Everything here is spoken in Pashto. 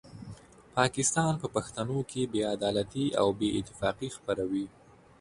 پاکستان په پښتنو کې بې عدالتي او بې اتفاقي خپروي.